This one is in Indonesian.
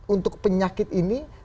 untuk penyakit ini